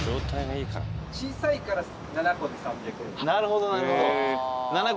なるほどなるほど。